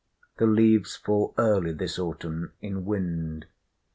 The leaves fall early this autumn, in wind.